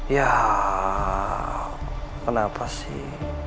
ya kenapa sih